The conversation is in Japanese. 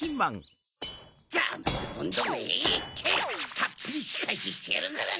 たっぷりしかえししてやるからな！